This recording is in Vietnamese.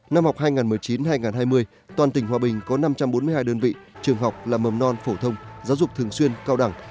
năm học hai nghìn một mươi chín hai nghìn hai mươi toàn tỉnh hòa bình có năm trăm bốn mươi hai đơn vị trường học là mầm non phổ thông giáo dục thường xuyên cao đẳng